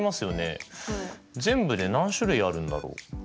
全部で何種類あるんだろう。